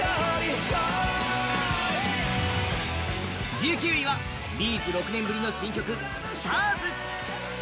１９位はＢ’ｚ６年ぶりの新曲「ＳＴＡＲＳ」。